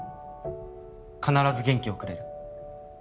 必ず元気をくれる